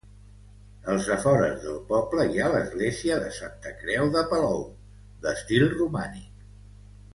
Als afores del poble hi ha l'església de Santa Creu de Palou, d'estil romànic.